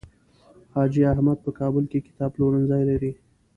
حاجي احمد په کابل کې کتاب پلورنځی لري.